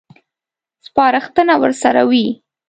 سپارښتنه ورسره وي.